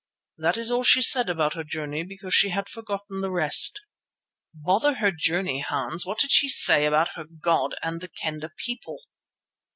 That is all she said about her journey because she had forgotten the rest." "Bother her journey, Hans. What did she say about her god and the Kendah people?"